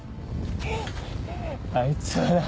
あいつはな